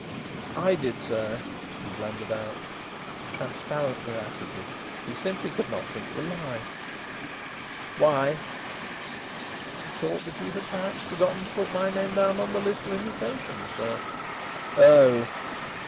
"I did, sir," he blundered out. Transparent veracity. He simply could not think of a lie. "Why?" "I thought you'd perhaps forgotten to put my name down on the list of invitations, sir." "Oh!"